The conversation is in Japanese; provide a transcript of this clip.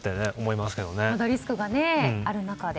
まだリスクがある中で。